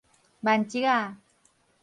屘叔仔